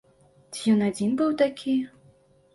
Ці ён адзін быў такі?